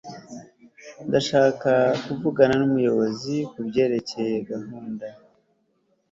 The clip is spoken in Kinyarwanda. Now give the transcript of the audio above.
ndashaka kuvugana numuyobozi kubyerekeye gahunda